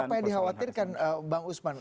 apa yang dikhawatirkan bang usman